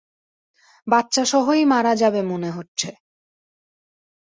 বাচ্চা সহই মারা যাবে মনে হচ্ছে।